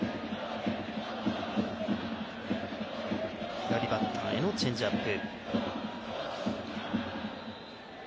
左バッターへのチェンジアップ。